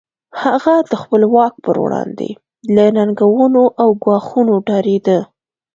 هغه د خپل واک پر وړاندې له ننګونو او ګواښونو ډارېده.